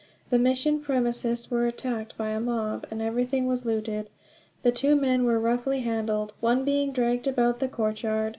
The mission premises were attacked by a mob, and everything was looted. The two men were roughly handled, one being dragged about the courtyard.